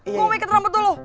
gue mau ngikut rambut dulu